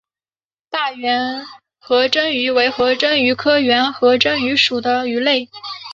大圆颌针鱼为颌针鱼科圆颌针鱼属的鱼类。